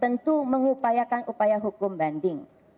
tentu mengupayakan upaya hukum banding